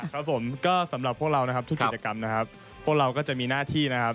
ครับผมก็สำหรับพวกเรานะครับทุกกิจกรรมนะครับพวกเราก็จะมีหน้าที่นะครับ